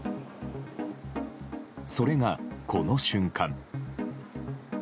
それが、この瞬間。